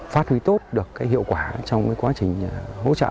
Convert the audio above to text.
phát huy tốt được hiệu quả trong quá trình hỗ trợ